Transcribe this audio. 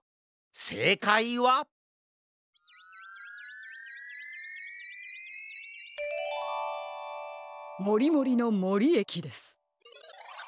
せいかいはもりもりのもりえきです。